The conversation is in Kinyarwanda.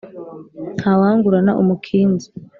Ntawangurana umukinzi